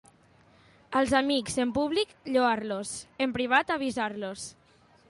Als amics, en públic, lloar-los; en privat, avisar-los.